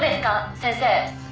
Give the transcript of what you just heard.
先生」